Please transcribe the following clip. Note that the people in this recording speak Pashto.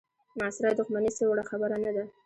معاصره دوښمني څه وړه خبره نه ده.